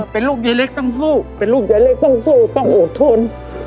เป็นลูกยายเล็กต้องสู้เป็นลูกยายเล็กต้องสู้ต้องอดทน